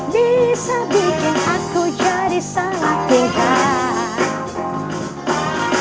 bisa bikin aku jadi salah tingkat